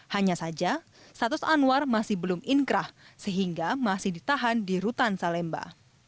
hanya saja status anwar masih belum inkrah sehingga masih ditahan di rutan salemba